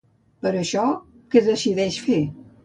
Per això, què decideix fer?